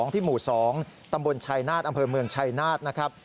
ที่หมู่๒ตำบลชายนาฏอำเภอเมืองชัยนาธนะครับ